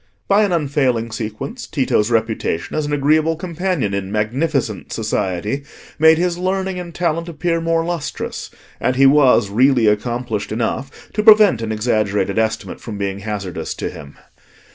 By an unfailing sequence, Tito's reputation as an agreeable companion in "magnificent" society made his learning and talent appear more lustrous: and he was really accomplished enough to prevent an exaggerated estimate from being hazardous to him.